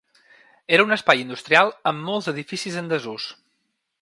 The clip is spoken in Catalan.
Era un espai industrial amb molts edificis en desús.